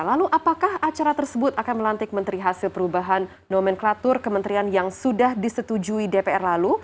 lalu apakah acara tersebut akan melantik menteri hasil perubahan nomenklatur kementerian yang sudah disetujui dpr lalu